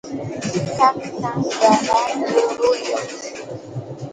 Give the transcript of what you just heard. rakta qara ruruyuq